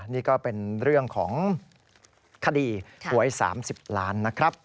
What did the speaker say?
นี่ก็เป็นเรื่องของคดีหวย๓๐ล้านนะครับ